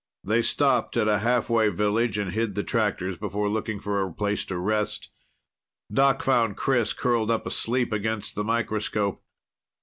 They stopped at a halfway village and hid the tractors before looking for a place to rest. Doc found Chris curled up asleep against the microscope.